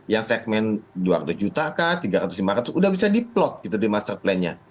yang segmen dua ratus juta kah tiga ratus lima ratus udah bisa diplot gitu di master plan nya